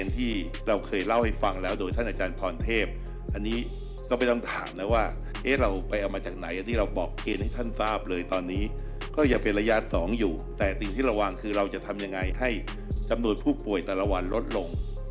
แต่ติดที่ระวังคือเราจะทำยังไงให้จำนวนผู้ป่วยตลาดลดลง